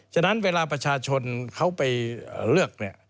ฉะนั้นเวลาประชาชนเขาไปเลือกเนี่ย